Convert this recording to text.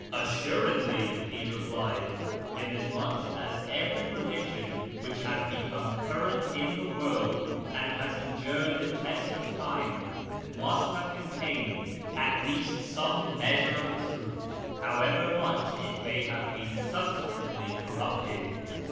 " Assuredly," he replied, " inasmuch as every religion which 1 has become current in the world, and has endured the test of time, must have contained at least some measure of truth, however much it may have been subsequently corrupted.